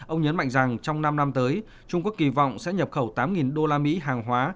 ông nhấn mạnh rằng trong năm năm tới trung quốc kỳ vọng sẽ nhập khẩu tám usd hàng hóa